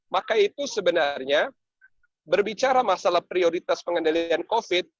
maka itu sebenarnya berbicara masalah prioritas pengendalian covid